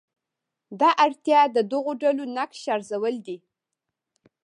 دا اړتیا د دغو ډلو نقش ارزول دي.